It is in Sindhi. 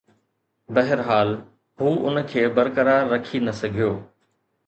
بهرحال، هو ان کي برقرار رکي نه سگهيو